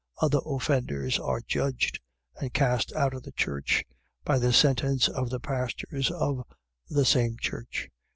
. .Other offenders are judged, and cast out of the church, by the sentence of the pastors of the same church.